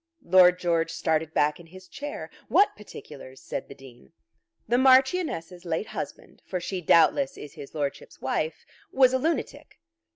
Lord George started back in his chair. "What particulars?" said the Dean. "The Marchioness's late husband, for she doubtless is his Lordship's wife, was a lunatic."